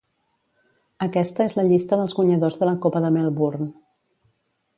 Aquesta és la llista dels guanyadors de la Copa de Melbourne.